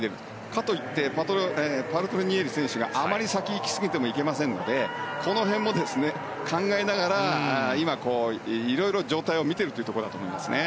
かといってパルトリニエリ選手があまり先に行きすぎてもいけませんのでこの辺も考えながら今、色々状態を見ているところだと思いますね。